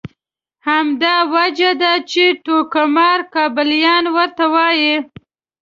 همدا وجه ده چې ټوکمار کابلیان ورته وایي.